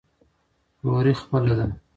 وروري خپله ده.